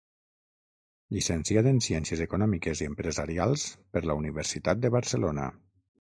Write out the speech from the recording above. Llicenciat en Ciències Econòmiques i Empresarials per la Universitat de Barcelona.